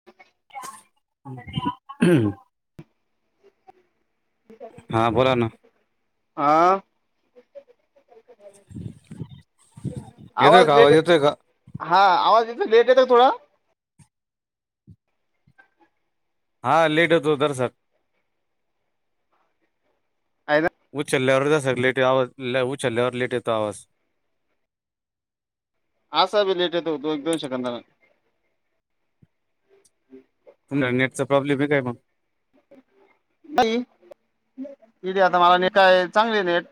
[inaudible] [unintelligible] हा बोला ना आ येतोय आवाज का लेटय येतोय का हा आवाज इथे लेट येतय थोडा. हां लेट होतो दर [unintelligible] [unintelligible] ऊचल्यावर जसा लेट येतो आवाज ऊचल्यावर लेट येतो आवाज. असा बी लेट येतो तो दो दोन सेकंदान. तुमला नेटचा प्रॉब्लेम आहे काय मग नाही इथे आता मला नेट आहे चांगली नेट.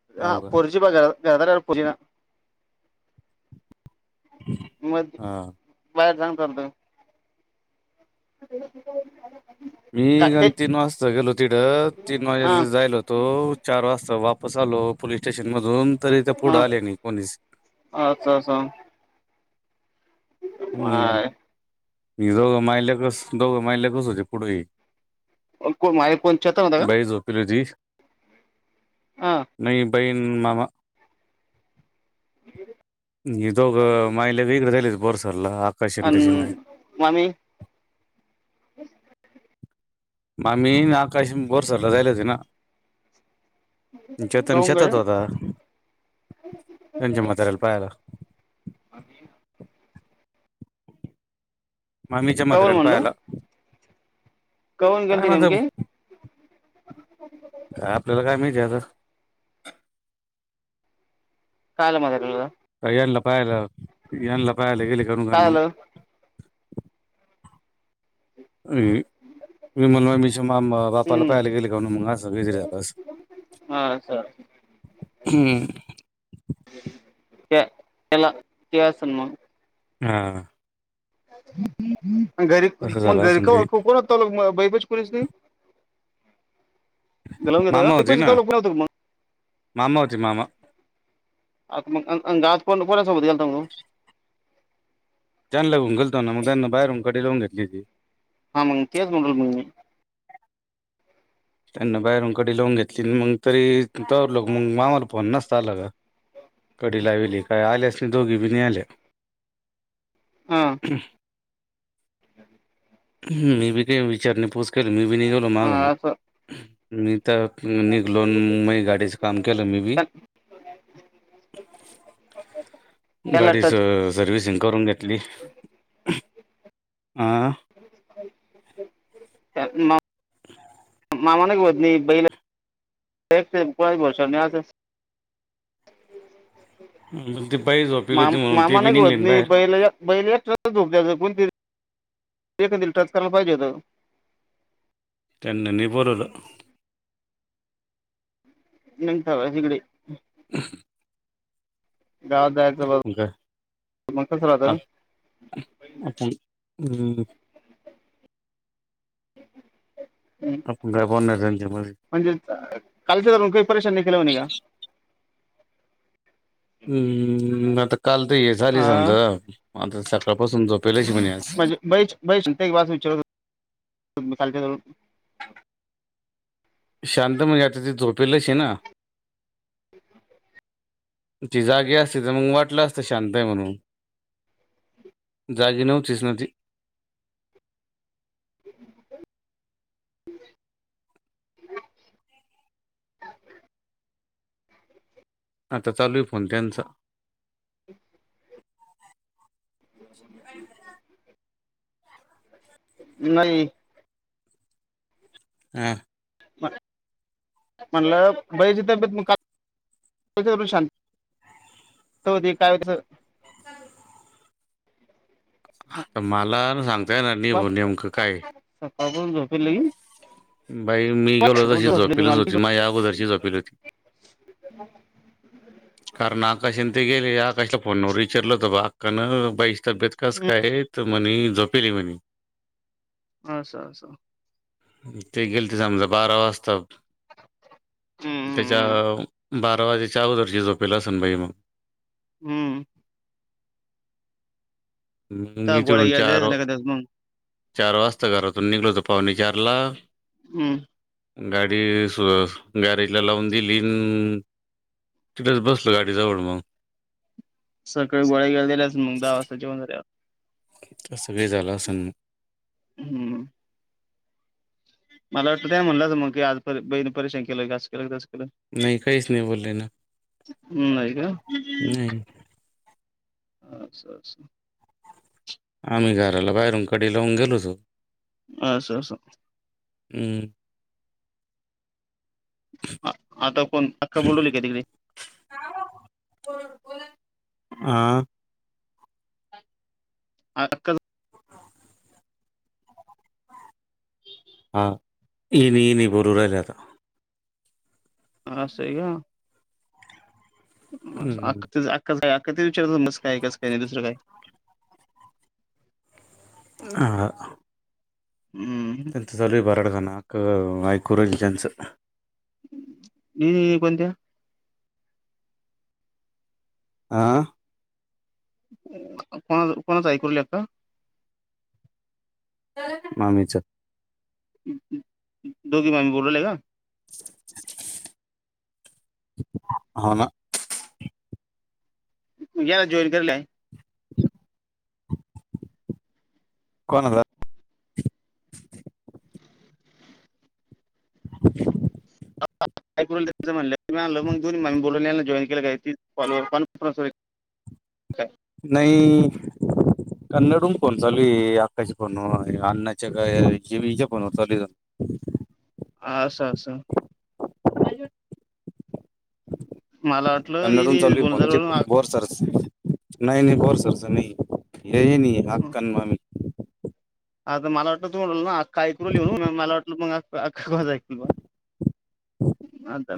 [unintelligible] हो का [unintelligible] मध हा बाहेर जाऊन करतो. [unintelligible] मी काय ते गण तीन वाजता गेलो तिथं तीन हा वाजता जायलो होतो चार वाजता वाप पस आलो पोलीस स्टेशन मधून तरी ते हा पुढं आले नाही कोणीच. अच्छा हम्म हां मी दोघं माय लेकर माय लेकरच होते पुढे. कोण माझे कोण चेतन होता बाई का झोपेल होती. ह. नाही बाईन ममा. ये दोघ मायल ते इकड राहिले होते बोरसरला. आकाश आणि अन त्याची माय मामी. ब [unintelligible] मामी न आकाश बोर सरला जायल होते ना. चेतन काऊन शेतात गड होता. त्यांच्या मातार्याला पाहाला. आणि [unintelligible] ममीच्या काऊन म्हताऱ्याल म्हणलं पायला. काऊन काय गेलती राहत नेमकी आपल्याला काय माहिती आता? काय झालं म्हातार्‍याला? का यानल पाहायला यानला पायला गेले कनू का काय मग? आलं अम विमल मामीच्या म बापाला हम्म पाहायला गेले काणू मग असं काहीतरी झालं असलं. हा. हम्म. त्या त्याला असन म. हा. घरी तसं झालं मग घरी असं काही कोण बय पाशी कोणीच नाही? घालवून घेत का माम होते बैपच ना. लोक पण होतं मग मामा होते मामा. आता मग अन अन गावात कोणा सोबत गेलाता मगं? त्यांना घेऊन गेलोतो ना मग. त्यानां बाहेरून कडी लाऊन घेतली होती. हा मग तेच म्हणू रायलो ना मग मी. त्यांना बाहेरून कडे लावून घेतली न. मग तरी तवरलोक मग मामाला फोन नस ता आला का? कडी लावले काय आल्यास नाही दोघी बी नि आल्या. ह. ह. [unintelligible] [unintelligible] मी बी काई विचारणेपोसकेली मी बी नही गेलो माघ मग. हा असं मी त निघलोन माई गाडीचं काम केलं मी बी. त्यांना गाडीच टच सर्विसिंग करून घेतली. आं. त्यात म. मामाने होत नाही. [unintelligible] बैईला भोरसा नाही अस. ते बाई झोप मामा मामा नाही ग होत म बैईला बैईला एकट्याला झोप त्यात कोणतीरी एकखंदीला टच करायला पाहिजे होेतं. त्यांना नाही बोलवल. नेउन ठेवा तिकडे. हं. [unintelligible] गावात जायचं बर, मग काय मग कसं राहत. अपूण हम्म. आपूण काय बोलणार ये त्यांच्या मध्ये. म्हणजे कालच्या धरून काही परेशान नाही केलं म्हणी का? हम्म आता काल तर हे झाले हा समजा. आता सकाळपासून झो म्हणजे बईच बईच [unintelligible] खालच्या. शांत म्हणजे आता ती झोपेलचय ना? ती जागी असती तर मग वाटलं असतं शांत आहे म्हणून? जागी नव्हतीच ना ती? [inaudible] [inaudible] आता चालू आहे फोन त्यांचा. [inaudible] नाही हम्म म म्हणलं बईची तब्येत मग [unintelligible] शांत हो काय? मला सांगता येणार नाही बाप बा नेमकं काय? सकाळपासून झोपलंय की? बाई मी गेलो तशी झोपली झोपेलच मला ती होती माझ्या अगोदरशी झोपेली होती. कारण आकाश ते गेले आकाशला फोनवर विचारलं होत अक्कान बाई तब्येत कास काय तर म्हणे झोपेली म्हणे. अस अस ते गेलते समजा बारा वाजता. त्याच्या हम्म बारा वाजायच्या अगदरची झोपेल असन बाई मंग हम्म म त्या मी गोळ्या तिकडून गिळ्या चार दिल्यास नाही का त्यास मग चार वाजता घरातून निघलतो पाऊणे चारला हम्म गाडी [unintelligible] गॅरेज ला लावून दिलीन तिथच बसलो गाडी जवळ मग. सकाळी गोळ्या घ्यायला दिल्यास मग दहा वाजता [unintelligible] असं काही झालं असन. हम्म मला वाटतं त्या म्हटलंच मग की आज बहीणी परेशान केलं असं केलं तस केलं. नाही काहीस नाही बोले ना. हम्म [unintelligible] का नाही अच्छा अच्छा आम्ही घराला बाहेरून कडी लावून गेलो होतो. असं अस हम्म आता कोण अक्का बोलवली काय तिकडे? हां हां कर हां येली येली भरू राहीलं आता. आसय का. अख [unintelligible] हम्म. अख ते विचारत कस काय कस काय नाही दुसरं काय आहा हम्म त्यांचं चालू आहे बराडगाण [unintelligible] ज्यांचं. दि हे कोणता आं कोणा कोणाच ऐकू ले आता मामीच दोघी मामी बोलू ल्या कां हो ना या जॉईन करले कोनाचा [inaudible] [unintelligible] काय नाही कन्नड हुन फोन चालूये अक्काच्या फोन वर आण्णाच्या काय जीवीच्या फोनवर चालूय ह [inaudible] हा असं असं मला वाटलं कन्नडून येईन चालू बोलणं फोन [unintelligible] झालं म्हणून आ- नाही नाही बोरसरचा नाही ये आक्का आणि मामी आता मला वाटलं तू ना आक्का ऐकू ल येऊ मला वाटलं मग आक्का क ऐकू बुवा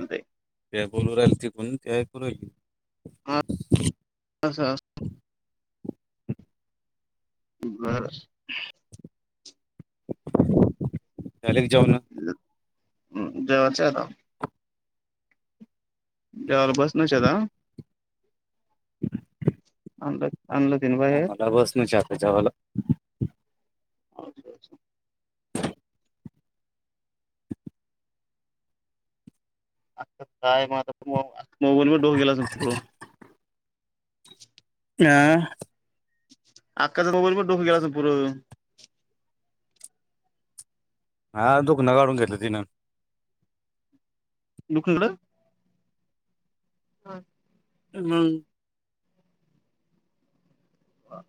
त्या बोलू राहिल त कोण ते ऐकू राहिली [unintelligible] बर झाले का जेवणं हम्म जेवायचे आता [inaudible] जेवायला बसणच आता [unintelligible] ह मला [unintelligible] अच्छा अच्छा [unintelligible] [inaudible] [inaudible] [unintelligible] हा दुखनं काढून घेतलं तिनं दुखणं मंग हा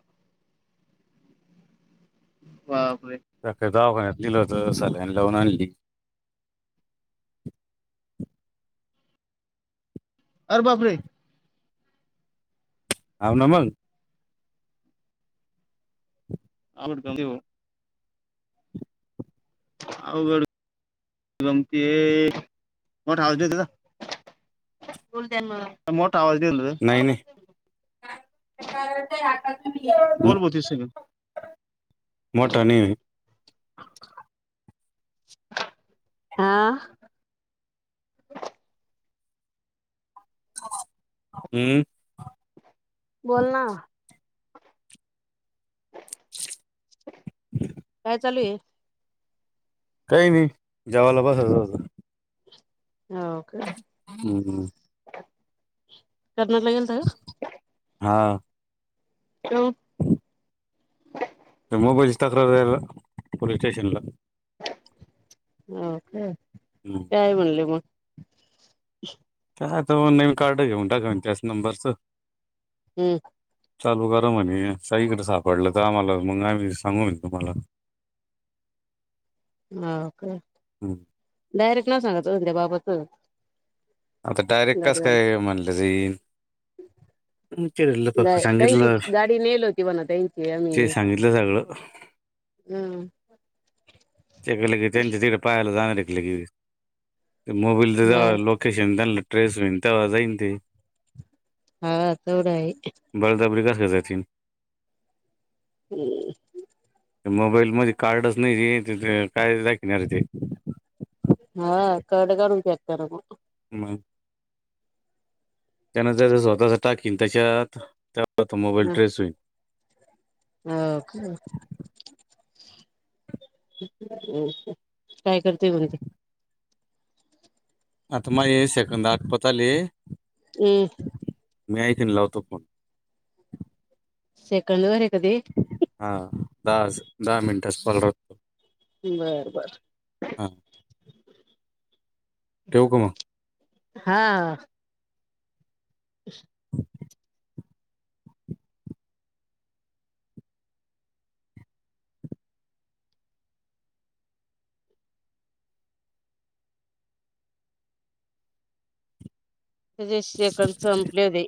बापरे सकाळी दवाखान्यात नेलं हुतं सलाईन लावून आणली अर बापरे हाऊ ना मंग अंगलोट कमी हो अवगड दमतीये मंग राहूदे तिला मोठा आवाज दिल नाही नाही बोल भाऊ तीस सेकंद मोठा नाही हा हम् बोल ना‌ काय चालू आहे? काही नाही. जेवामला बसायच होत. हो हम्म हम्म कर्नाला गेलता का? हां हॅलो मोबईलची तक्रार द्यायला पोलीस स्टेशनला. हो काय. हम्म काय म्हणले मग? [unintelligible] आता नवीन कार्ड घेऊन टाकान त्याच नंबरचं हम्म चालू करा म्हणे साईकडें सापडलं तर आम्हाला मग आम्ही सांगू मग तुम्हाला. [inaudible] हो काय हम्म. डायरेक्ट नाव सांगायचं मग त्या बाबाच. आता डायरेक्ट कस काय म्हणलं जाईन. केलं ग फक्त त्यांची सांगितलं गाडी नेली होती म्हणा त्यांची ते आम्ही. सांगितलं सगळं हम्म ते केलं की त्यांच्या तिकडे पाहायला जाणार की लगेच मोबाईल जरा हा लोक लोकेशन त्यांना ट्रेस होईल तेव्हा जाईल ते. हा तेवढं आहे. बळजबरी कस काय जाशील. हम्म मोबाईल मध्ये कार्डच नाही तर काय दाखणार ते. हा कड करून फेक कर मग मग त्यानंतर त्याच स्वतःच टाकीन त्याच्यात त्यामुळं तोमोबाईल ट्रेस होईन. हो का काय करते म्हणते. आता माझे सेकंद आपटत आले. हम्म मी [unintelligible] लावतो फोन सेकंड वर आहे का ते? हा दहा दहा मिनटाच कॉल राहतो. बर बर हा ठेवू का मग? हां [inaudible] त्याचे सेकंद संपलेले.